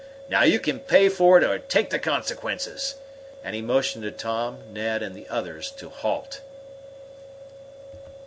Now you can pay for it or take the consequences!" And he motioned to Tom, Ned, and the others to halt.